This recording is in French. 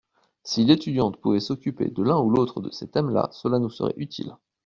Si l’étudiante pouvait s’occuper de l’un ou l’autre de ces thèmes-là cela nous serait utile.